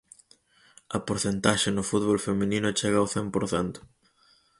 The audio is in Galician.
A porcentaxe no fútbol feminino chega ao cen por cento.